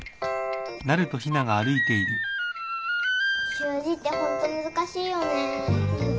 習字ってホント難しいよね。